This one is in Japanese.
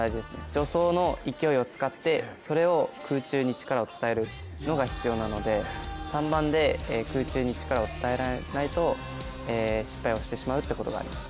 助走の勢いを使って、それを空中に力を伝えるのが必要なので３番で空中に力を伝えられないと失敗をしてしまうってことがあります。